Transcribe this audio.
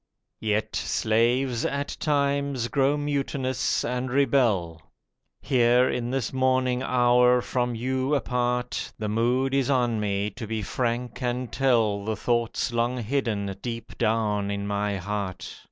Yet slaves, at times, grow mutinous and rebel. Here in this morning hour, from you apart, The mood is on me to be frank and tell The thoughts long hidden deep down in my heart.